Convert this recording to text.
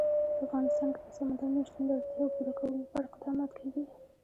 په افغانستان کې د سمندر نه شتون د اړتیاوو پوره کولو لپاره اقدامات کېږي.